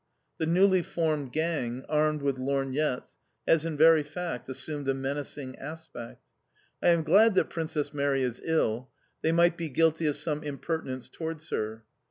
The newly formed gang, armed with lorgnettes, has in very fact assumed a menacing aspect. I am glad that Princess Mary is ill; they might be guilty of some impertinence towards her.